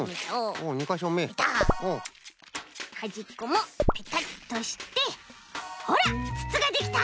はじっこもペタッとしてほらつつができた！